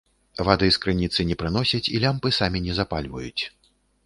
Вады з крыніцы не прыносяць і лямпы самі не запальваюць.